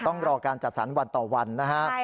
ต้องรอการจัดสรรวันต่อวันนะฮะ